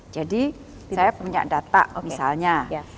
jadi saya punya data misalnya